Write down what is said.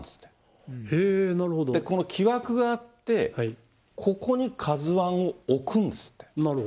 この木枠があって、ここにＫＡＺＵＩを置くんですって。